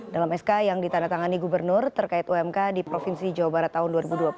dalam sk yang ditandatangani gubernur terkait umk di provinsi jawa barat tahun dua ribu dua puluh